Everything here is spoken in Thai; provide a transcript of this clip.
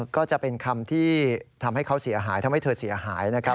ก็จะเป็นคำที่ทำให้เขาเสียหายทำให้เธอเสียหายนะครับ